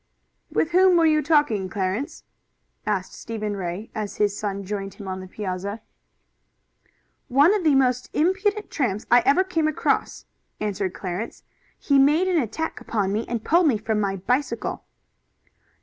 "With whom were you talking, Clarence?" asked Stephen Ray as his son joined him on the piazza. "One of the most impudent tramps I ever came across," answered Clarence. "He made an attack upon me, and pulled me from my bicycle."